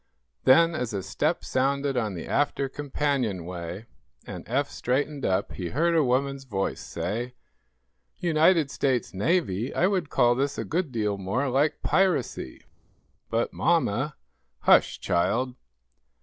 Then, as a step sounded on the after companionway, and Eph straightened up, he heard a woman's voice say: "United States Navy? I would call this a good deal more like piracy!" "But, mamma " "Hush, child!"